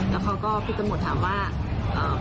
แล้วเขาก็พี่ตำรวจถามว่าเอ่อ